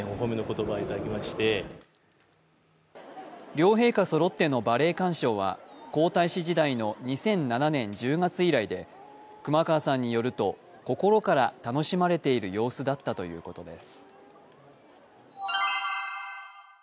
両陛下そろってのバレエ鑑賞は皇太子時代の２００７年１０月以来で、熊川さんによると心から楽しまれている様子だったということです。